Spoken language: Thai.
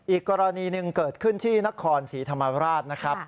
อีกกรณีหนึ่งเกิดขึ้นที่นครศรีธรรมราชนะครับ